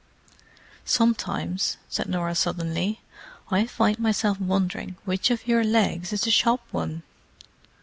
"Sometimes," said Norah suddenly, "I find myself wondering which of your legs is the shop one!"